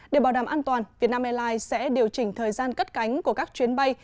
để bảo đảm an toàn vietnam airlines sẽ điều chỉnh thời gian cất cánh của các chuyến bay